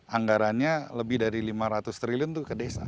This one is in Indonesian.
anggarannya lebih dari lima ratus triliun untuk ke desa